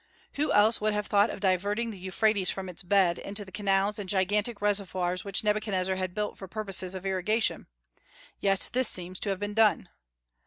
Who else would have thought of diverting the Euphrates from its bed into the canals and gigantic reservoirs which Nebuchadnezzar had built for purposes of irrigation? Yet this seems to have been done.